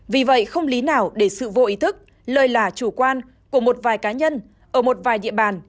vì vậy không lý nào để sự vô ý thức lơi là chủ quan của một vài cá nhân ở một vài địa bàn